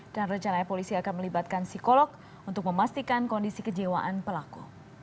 dan rejalan polisi akan melibatkan psikolog untuk memastikan kondisi kejiwaan pelaku